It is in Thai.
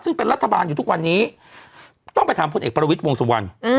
ซึ่งเป็นรัฐบาลอยู่ทุกวันนี้ต้องไปถามพลเอกประวิทย์วงสุวรรณ